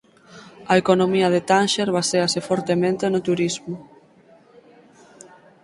A economía de Tánxer baséase fortemente no turismo.